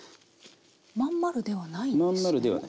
真ん丸ではないんですね。